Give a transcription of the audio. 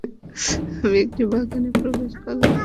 আমি একটি বাগানে প্রবেশ করলাম।